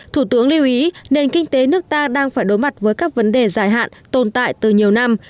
thủ tướng lưu ý nền kinh tế nước ta đang phải đối mặt với các vấn đề dài hạn tồn tại từ nhiều năm